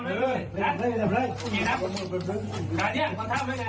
พี่หุยรู้มั้ยเขาทำอะไรอยู่ในห้องนอนในมือถื